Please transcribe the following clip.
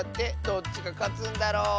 どっちがかつんだろ？